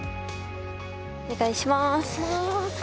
お願いします。